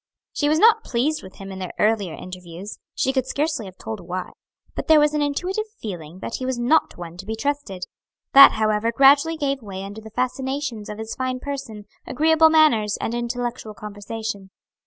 She was not pleased with him in their earlier interviews, she could scarcely have told why; but there was an intuitive feeling that he was not one to be trusted. That, however, gradually gave way under the fascinations of his fine person, agreeable manners, and intellectual conversation.